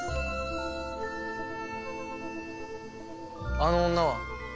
あの女は？